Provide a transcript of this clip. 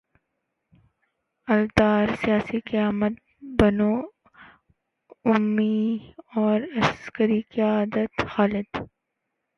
الدار، سیاسی قیادت بنو امیہ اور عسکری قیادت خالد